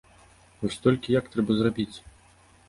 Вось толькі як гэта зрабіць?